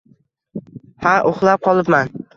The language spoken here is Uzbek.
Ha, uxlab qolibman